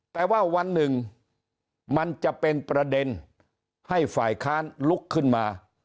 แต่ว่าวันหนึ่งมันจะเป็นประเด็นให้ฝ่ายค้านลุกขึ้นมา